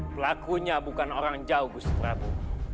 pelakunya bukan orang jauh gustavo